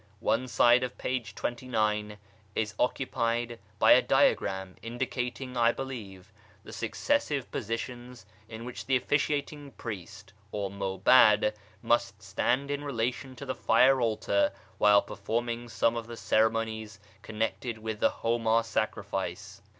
One side of f. 29 is occupied by a diagram indicating, I believe, the successive positions in which the ofiiciating priest or muhacl must stand in relation to the fire altar while performing some of the ceremonies connected with the homa sacrifice.